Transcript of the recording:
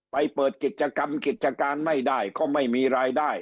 ไปเปิดกิจกรรมกิจการไม่ได้ก็ไม่มีรายได้